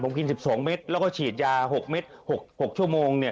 ผมกิน๑๒เมตรแล้วก็ฉีดยา๖เมตร๖ชั่วโมง